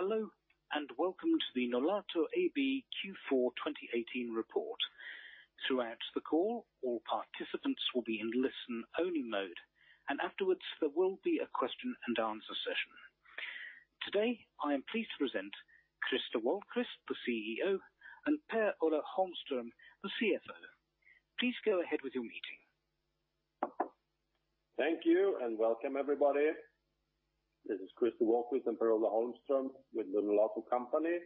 Welcome to the Nolato AB Q4 2018 report. Throughout the call, all participants will be in listen-only mode. Afterwards, there will be a Q&A session. Today, I am pleased to present Christer Wahlquist, the CEO, and Per-Ola Holmström, the CFO. Please go ahead with your meeting. Thank you. Welcome everybody. This is Christer Wahlquist and Per-Ola Holmström with the Nolato company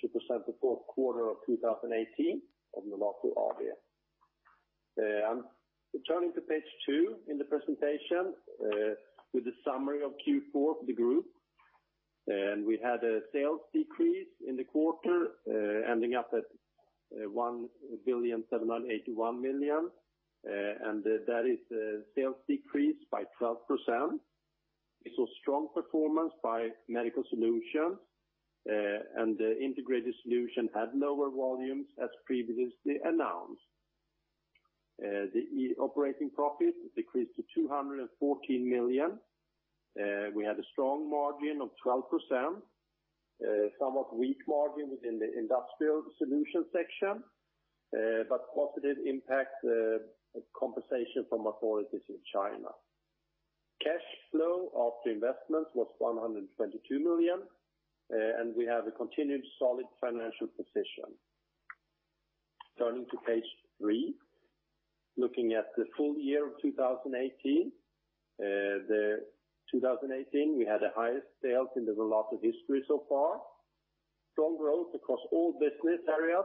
to present the fourth quarter of 2018 of Nolato AB. I am turning to page two in the presentation with the summary of Q4 for the group. We had a sales decrease in the quarter, ending up at 1,781 million. That is a sales decrease by 12%. We saw strong performance by Medical Solutions, and Integrated Solutions had lower volumes as previously announced. The operating profit decreased to 214 million. We had a strong margin of 12%, somewhat weak margin within the Industrial Solutions section, but positive impact compensation from authorities in China. Cash flow after investments was 122 million. We have a continued solid financial position. Turning to page three, looking at the full year of 2018. 2018, we had the highest sales in the Nolato history so far. Strong growth across all business areas,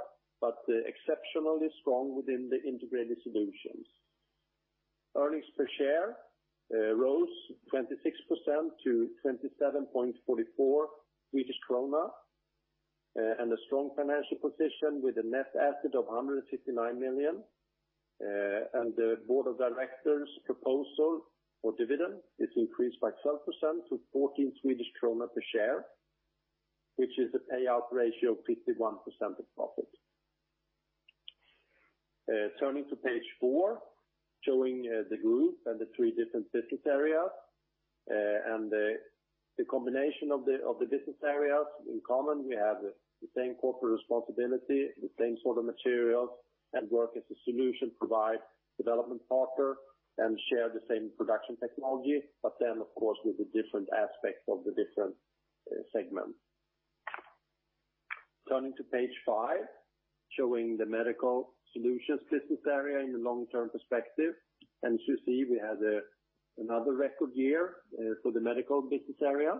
exceptionally strong within the Integrated Solutions. Earnings per share rose 26% to 27.44 Swedish krona. A strong financial position with a net asset of 159 million. The board of directors proposal for dividend is increased by 12% to 14 Swedish krona per share, which is a payout ratio of 51% of profit. Turning to page four, showing the group and the three different business areas, the combination of the business areas. In common, we have the same corporate responsibility, the same sort of materials, work as a solution provider, development partner, and share the same production technology. Of course, with the different aspects of the different segments. Turning to page five, showing the Medical Solutions business area in the long-term perspective. As you see, we had another record year for the medical business area.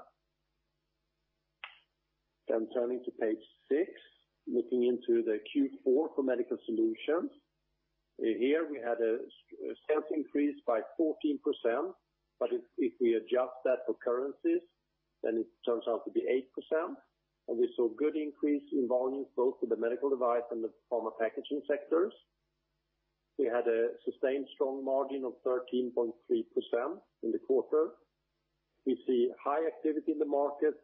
Turning to page six, looking into the Q4 for Medical Solutions. Here, we had a sales increase by 14%. If we adjust that for currencies, it turns out to be 8%. We saw good increase in volumes both to the medical device and the pharma packaging sectors. We had a sustained strong margin of 13.3% in the quarter. We see high activity in the market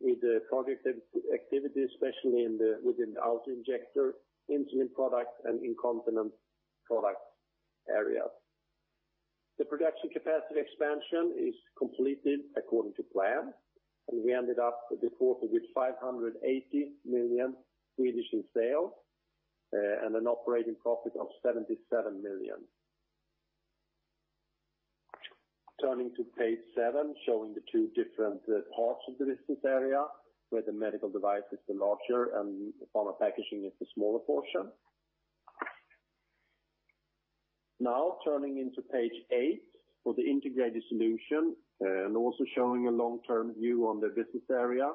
with project activity, especially within the auto-injector, insulin product, and incontinence product area. The production capacity expansion is completed according to plan. We ended up the quarter with 580 million in sales, an operating profit of 77 million. Turning to page seven, showing the two different parts of the business area, where the medical device is the larger and the pharma packaging is the smaller portion. Turning into page eight for the Integrated Solutions, also showing a long-term view on the business area.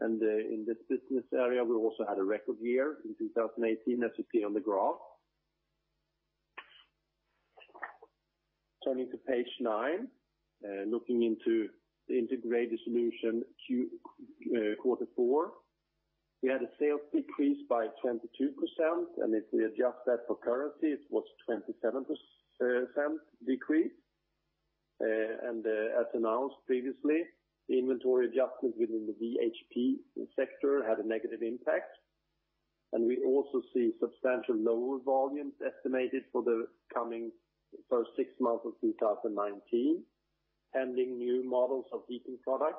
In this business area, we also had a record year in 2018, as you see on the graph. Turning to page nine, looking into the Integrated Solutions quarter four, we had a sales decrease by 22%, and if we adjust that for currency, it was 27% decrease. As announced previously, the inventory adjustment within the VHP sector had a negative impact, and we also see substantial lower volumes estimated for the coming first six months of 2019, handling new models of heating products.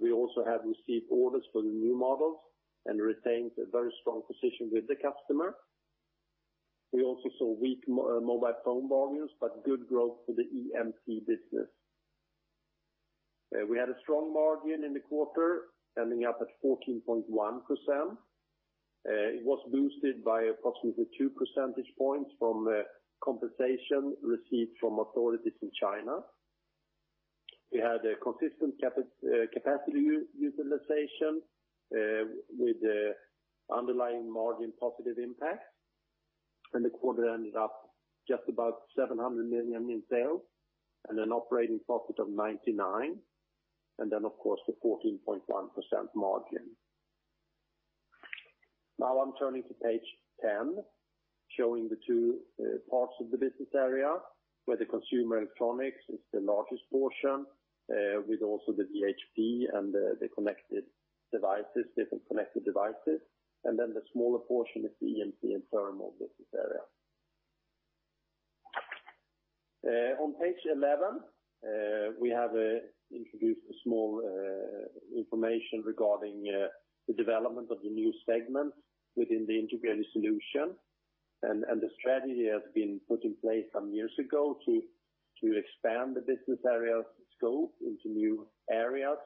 We also have received orders for the new models and retained a very strong position with the customer. We also saw weak mobile phone volumes, but good growth for the EMC business. We had a strong margin in the quarter, ending up at 14.1%. It was boosted by approximately two percentage points from compensation received from authorities in China. We had a consistent capacity utilization with underlying margin positive impact. The quarter ended up just about 700 million in sales and an operating profit of 99. Then, of course, the 14.1% margin. I'm turning to page 10, showing the two parts of the business area, where the consumer electronics is the largest portion, with also the VHP and the different connected devices. The smaller portion is the EMC and thermal business area. On page 11, we have introduced a small information regarding the development of the new segment within the Integrated Solutions, the strategy has been put in place some years ago to expand the business area scope into new areas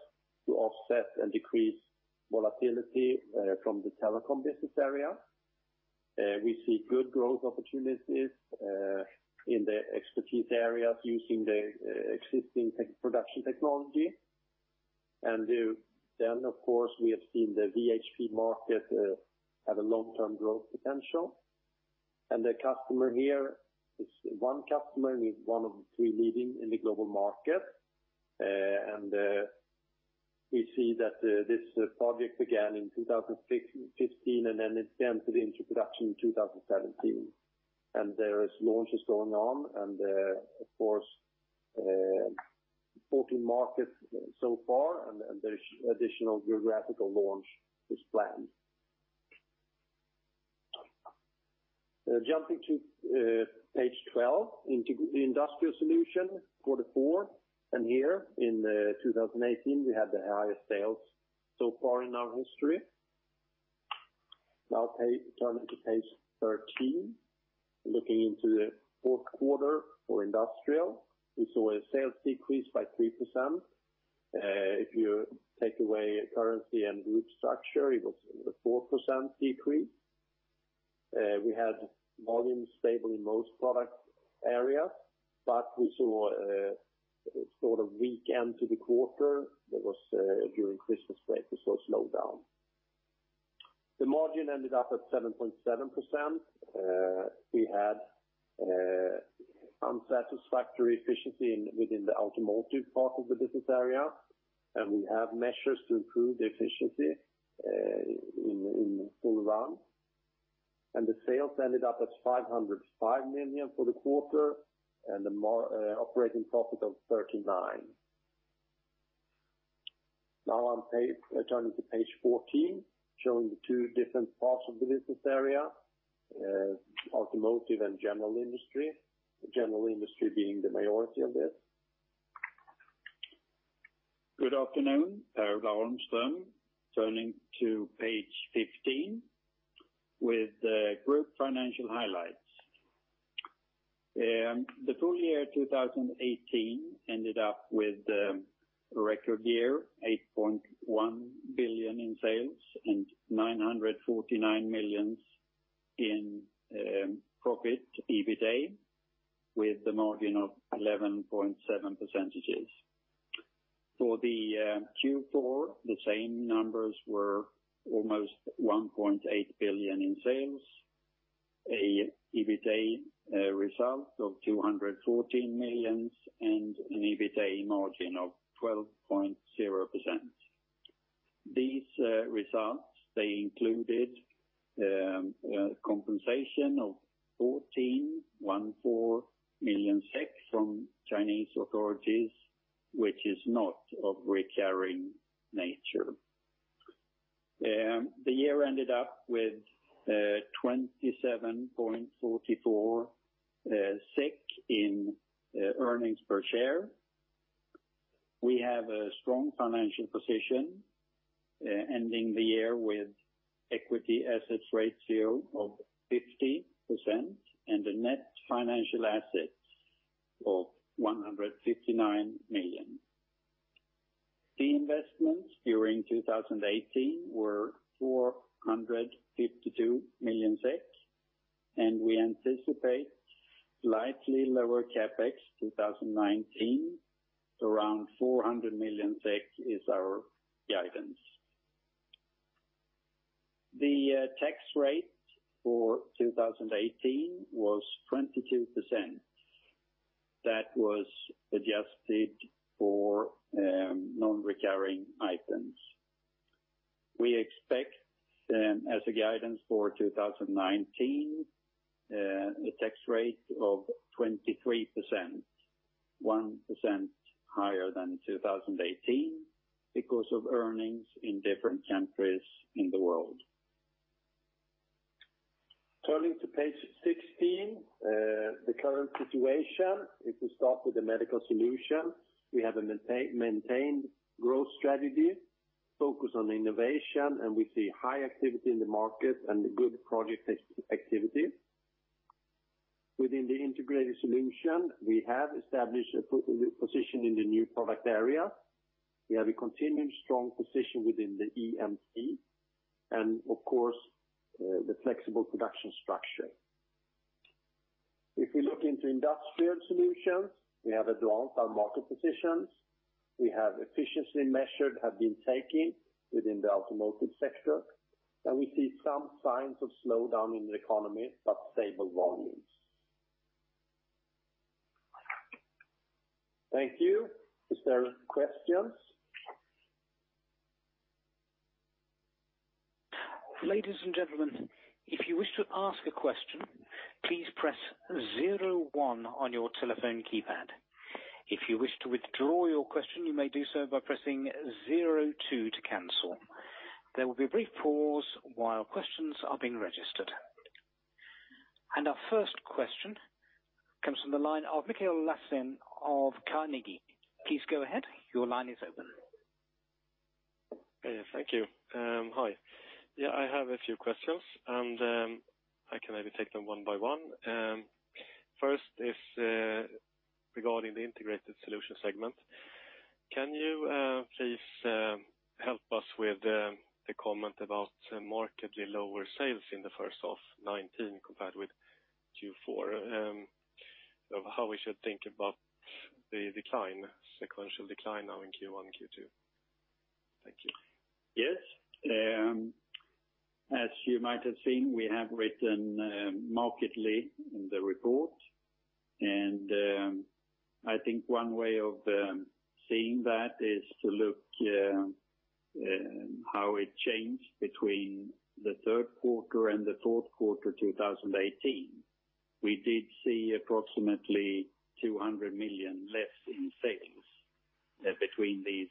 to offset and decrease volatility from the telecom business area. We see good growth opportunities in the expertise areas using the existing production technology. Then, of course, we have seen the VHP market have a long-term growth potential. The customer here is one customer, one of the three leading in the global market. We see that this project began in 2015, then it entered into production in 2017. There is launches going on, and of course, 14 markets so far, and additional geographical launch is planned. Jumping to page 12, the Industrial Solutions, quarter four. Here in 2018, we had the highest sales so far in our history. Turning to page 13, looking into the fourth quarter for industrial, we saw a sales decrease by 3%. If you take away currency and group structure, it was a 4% decrease. We had volumes stable in most product areas, we saw a sort of weak end to the quarter. That was during Christmas break, we saw a slowdown. The margin ended up at 7.7%. We had unsatisfactory efficiency within the automotive part of the business area, and we have measures to improve the efficiency in full run. The sales ended up at 505 million for the quarter, and the operating profit of 39. Turning to page 14, showing the two different parts of the business area, automotive and general industry, general industry being the majority of this. Good afternoon, Per-Ola Holmström. Turning to page 15 with the group financial highlights. The full year 2018 ended up with a record year, 8.1 billion in sales and 949 million in profit EBITA, with the margin of 11.7%. For the Q4, the same numbers were almost 1.8 billion in sales, a EBITA result of 214 million and an EBITA margin of 12.0%. These results, they included compensation of 14 million SEK from Chinese authorities, which is not of recurring nature. The year ended up with 27.44 in earnings per share. We have a strong financial position ending the year with equity assets ratio of 50% and a net financial assets of 159 million. The investments during 2018 were 452 million SEK, We anticipate slightly lower CapEx 2019 to around 400 million SEK is our guidance. The tax rate for 2018 was 22%. That was adjusted for non-recurring items. We expect, as a guidance for 2019, a tax rate of 23%, 1% higher than 2018 because of earnings in different countries in the world. Turning to page 16, the current situation, if we start with the Medical Solutions, we have a maintained growth strategy focused on innovation, We see high activity in the market and good project activity. Within the Integrated Solutions, we have established a position in the new product area. We have a continued strong position within the EMC and of course, the flexible production structure. If we look into Industrial Solutions, we have advanced our market positions. We have efficiency measures have been taken within the automotive sector, We see some signs of slowdown in the economy, but stable volumes. Thank you. Is there questions? Ladies and gentlemen, if you wish to ask a question, please press zero one on your telephone keypad. If you wish to withdraw your question, you may do so by pressing 02 to cancel. There will be a brief pause while questions are being registered. Our first question comes from the line of Mikael Laséen of Carnegie. Please go ahead. Your line is open. Thank you. Hi. I have a few questions, I can maybe take them one by one. First is regarding the Integrated Solutions segment. Can you please help us with the comment about markedly lower sales in the first half 2019 compared with Q4, of how we should think about the sequential decline now in Q1 and Q2? Thank you. Yes. As you might have seen, we have written markedly in the report. I think one way of seeing that is to look how it changed between the third quarter and the fourth quarter 2018. We did see approximately 200 million less in sales between these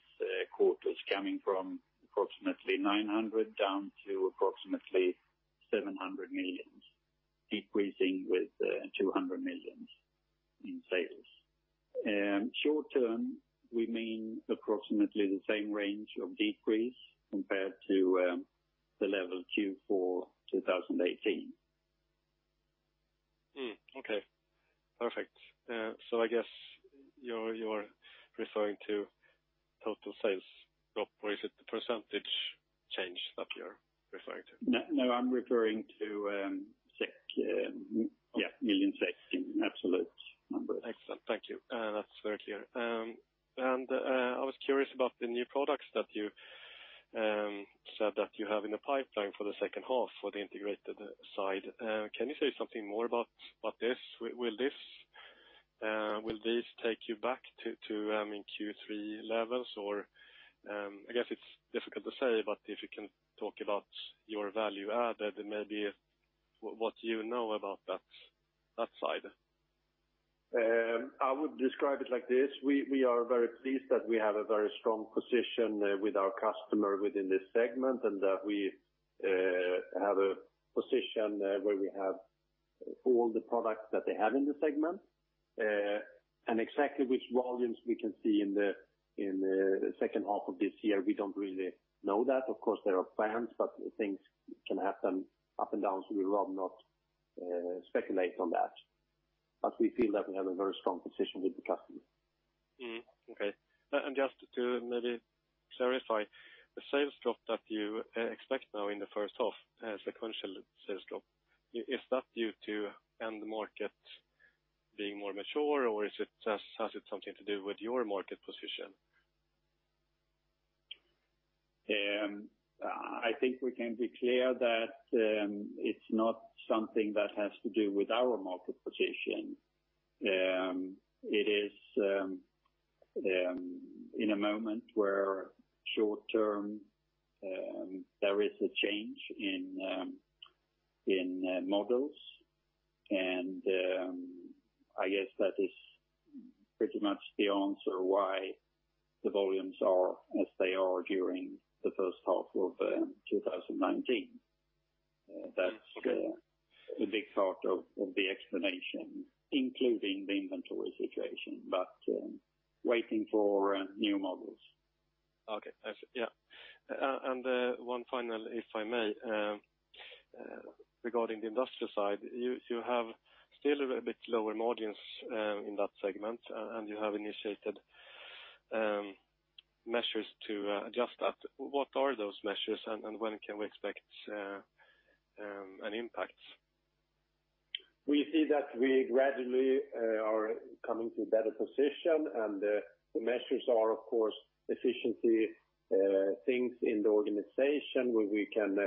quarters, coming from approximately 900 million down to approximately 700 million, decreasing with 200 million in sales. Short term, we mean approximately the same range of decrease compared to the level Q4 2018. Okay, perfect. I guess you're referring to total sales drop, or is it the percentage change that you're referring to? No, I'm referring to million SEK sales in absolute numbers. Excellent. Thank you. That's very clear. I was curious about the new products that you said that you have in the pipeline for the second half for the Integrated side. Can you say something more about this? Will these take you back to Q3 levels, or I guess it's difficult to say, but if you can talk about your value add and maybe what you know about that side. I would describe it like this: we are very pleased that we have a very strong position with our customer within this segment, and that we have a position where we have all the products that they have in the segment. Exactly which volumes we can see in the second half of this year, we don't really know that. Of course, there are plans, but things can happen up and down, so we would rather not speculate on that. We feel that we have a very strong position with the customer. Okay. Just to maybe clarify, the sales drop that you expect now in the first half, sequential sales drop, is that due to end market being more mature, or has it something to do with your market position? I think we can be clear that it's not something that has to do with our market position. It is in a moment where short term, there is a change in models, and I guess that is pretty much the answer why the volumes are as they are during the first half of 2019. That's the big part of the explanation, including the inventory situation, but waiting for new models. Okay. I see. Yeah. One final, if I may, regarding the industrial side. You have still a bit lower margins in that segment, and you have initiated measures to adjust that. What are those measures, and when can we expect an impact? We see that we gradually are coming to a better position. The measures are, of course, efficiency things in the organization where we can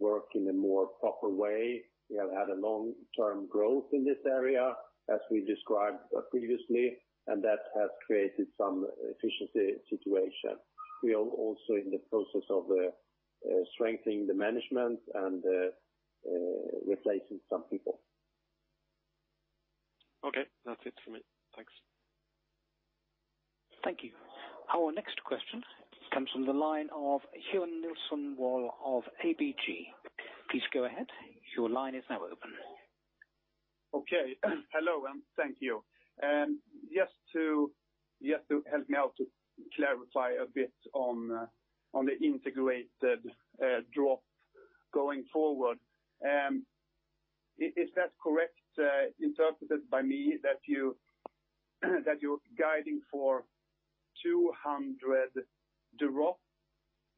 work in a more proper way. We have had a long-term growth in this area, as we described previously, that has created some efficiency situation. We are also in the process of strengthening the management and replacing some people. Okay, that's it from me. Thanks. Thank you. Our next question comes from the line of Johan Nilsson Wall of ABG. Please go ahead. Your line is now open. Okay. Hello, thank you. Just to help me out to clarify a bit on the integrated drop going forward. Is that correctly interpreted by me that you're guiding for 200 drop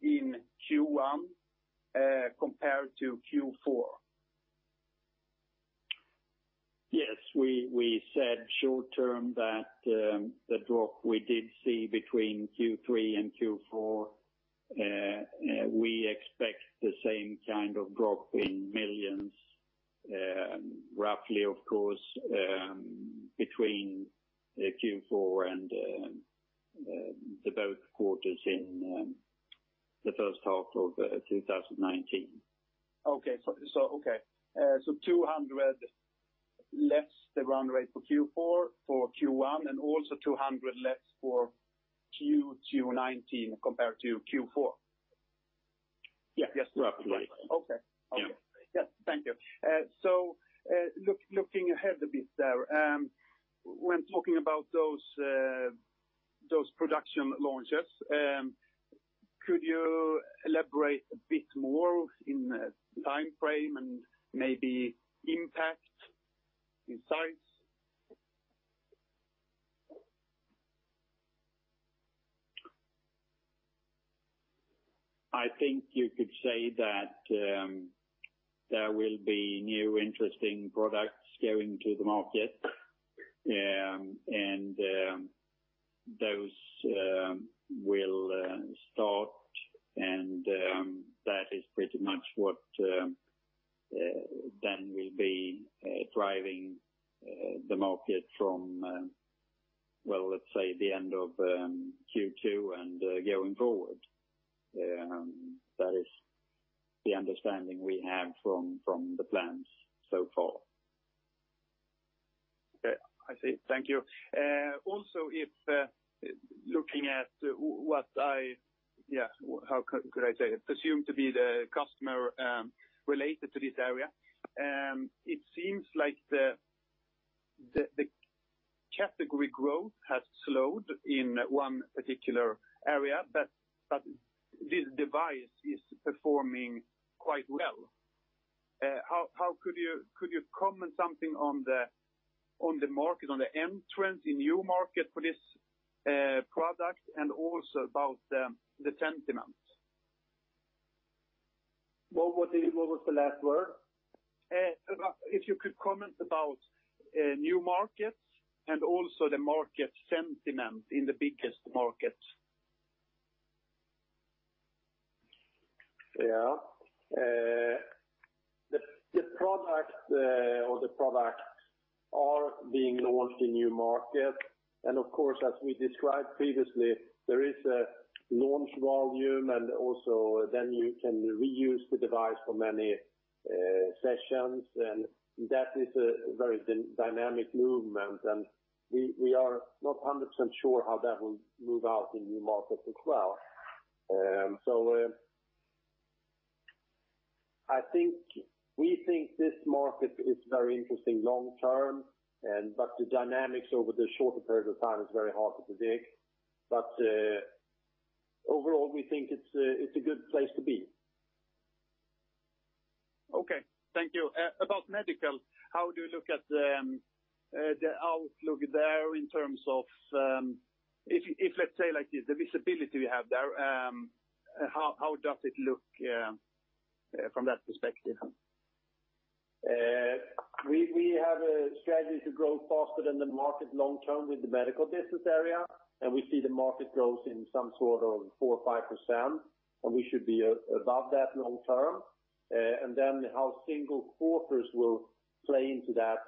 in Q1 compared to Q4? Yes, we said short term that the drop we did see between Q3 and Q4, we expect the same kind of drop in millions, roughly, of course, between Q4 and both quarters the first half of 2019. Okay. 200 less the run rate for Q4, for Q1, and also 200 less for Q2 2019 compared to Q4? Yes, roughly. Okay. Yeah. Thank you. Looking ahead a bit there, when talking about those production launches, could you elaborate a bit more in time frame and maybe impact, insights? I think you could say that there will be new interesting products going to the market, those will start, that is pretty much what will be driving the market from, let's say, the end of Q2 and going forward. That is the understanding we have from the plans so far. Okay. I see. Thank you. Also, if looking at what I, how could I say it? Presume to be the customer related to this area. It seems like the category growth has slowed in one particular area, this device is performing quite well. Could you comment something on the market, on the entrance in new market for this product and also about the sentiment? What was the last word? If you could comment about new markets and also the market sentiment in the biggest markets. The product or the products are being launched in new markets. Of course, as we described previously, there is a launch volume and also then you can reuse the device for many sessions, that is a very dynamic movement, and we are not 100% sure how that will move out in new markets as well. We think this market is very interesting long term, but the dynamics over the shorter period of time is very hard to predict. Overall, we think it's a good place to be. Okay. Thank you. About Medical Solutions, how do you look at the outlook there in terms of, if let's say like this, the visibility we have there, how does it look from that perspective? We have a strategy to grow faster than the market long term with the Medical Solutions business area, we see the market growth in some sort of 4% or 5%, we should be above that long term. Then how single quarters will play into that,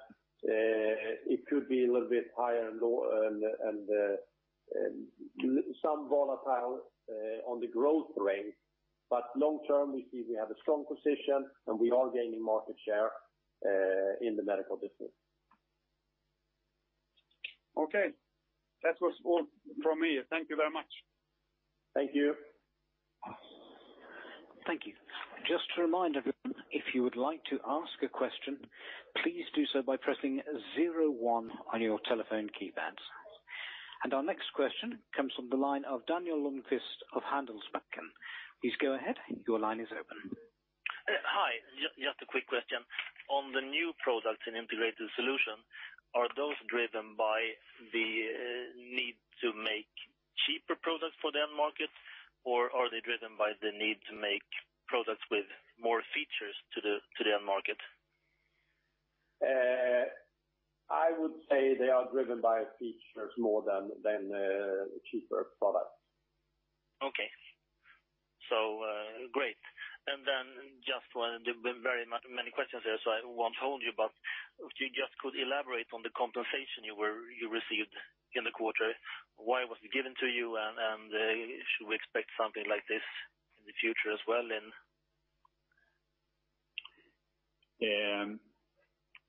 it could be a little bit higher and low and some volatile on the growth range. Long term, we see we have a strong position, and we are gaining market share in the Medical Solutions business. Okay. That was all from me. Thank you very much. Thank you. Thank you. Just to remind everyone, if you would like to ask a question, please do so by pressing zero one on your telephone keypads. Our next question comes from the line of Daniel Lindkvist of Handelsbanken. Please go ahead. Your line is open. Hi. Just a quick question. On the new products and Integrated Solutions, are those driven by the need to make cheaper products for their markets, or are they driven by the need to make products with more features to their market? I would say they are driven by features more than cheaper products. Okay. Great. Just one, there's been very many questions here, so I won't hold you, but if you just could elaborate on the compensation you received in the quarter, why was it given to you, and should we expect something like this in the future as well then?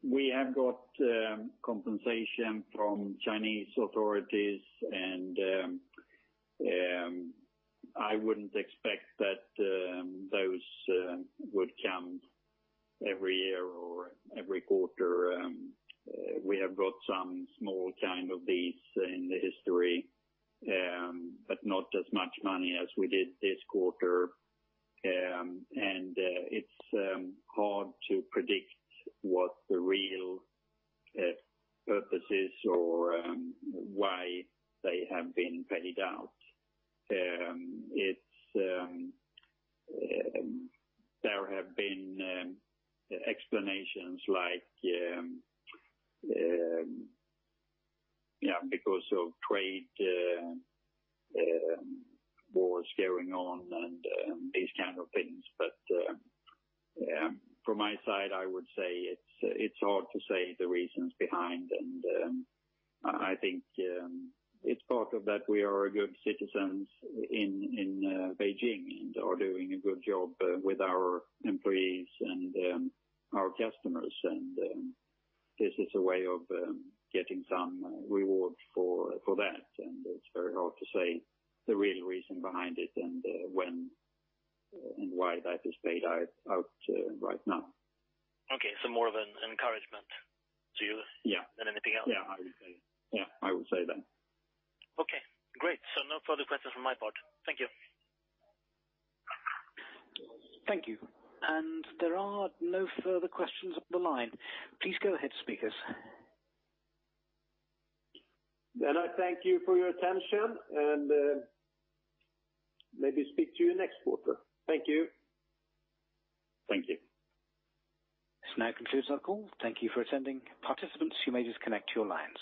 We have got compensation from Chinese authorities, and I wouldn't expect that those would come every year or every quarter. We have got some small time of these in the history, but not as much money as we did this quarter. It's hard to predict what the real purpose is or why they have been paid out. There have been explanations like, because of trade wars going on and these kind of things. From my side, I would say it's hard to say the reasons behind, and I think it's part of that we are good citizens in Beijing and are doing a good job with our employees and our customers, and this is a way of getting some reward for that, and it's very hard to say the real reason behind it and when and why that is paid out right now. Okay. More of an encouragement to you- Yeah than anything else? Yeah, I would say that. Okay, great. No further questions on my part. Thank you. Thank you. There are no further questions up the line. Please go ahead, speakers. I thank you for your attention and maybe speak to you next quarter. Thank you. Thank you. This now concludes our call. Thank you for attending. Participants, you may disconnect your lines.